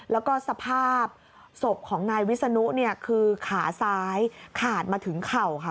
แล้วก็สภาพศพของนายวิศนุเนี่ยคือขาซ้ายขาดมาถึงเข่าค่ะ